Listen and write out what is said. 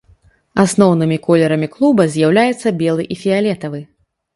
Асноўнымі колерамі клуба з'яўляюцца белы і фіялетавы.